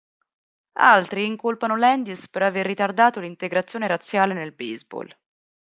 Altri incolpano Landis per avere ritardato l'integrazione razziale nel baseball.